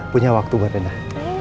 punya waktu buat rendah